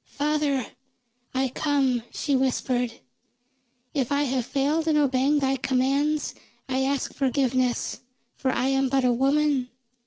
"Father, I come," she whispered. "If I have failed in obeying thy commands, I ask forgiveness, for I am but a woman.